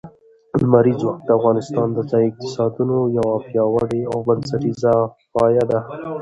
لمریز ځواک د افغانستان د ځایي اقتصادونو یو ډېر پیاوړی او بنسټیز پایایه دی.